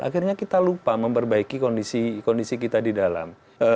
akhirnya kita lupa memperbaiki kondisi kita di dalam